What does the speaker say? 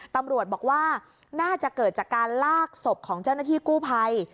ตำรวจบอกว่าน่าจะเกิดจากการลากศพของเจ้าหน้าที่กู้ภัย